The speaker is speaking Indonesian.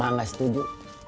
saya tidak setuju